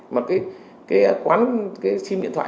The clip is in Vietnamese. mà cái quán cái sim điện thoại